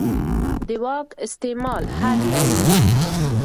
د واک استعمال حد لري